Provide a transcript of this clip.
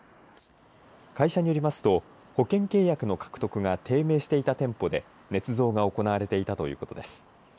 会社によりますと保険契約の獲得が低迷していた店舗でねつ造が行われていたということです。